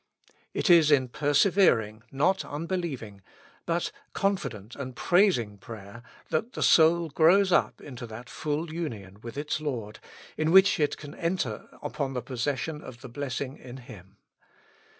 It is in persevering, not unbelieving, but confident and prais ing prayer, that the soul grows up into that full union with its Lord in which it can enter upon the posses sion of the blessing in Him.